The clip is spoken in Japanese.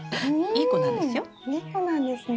いい子なんですよ。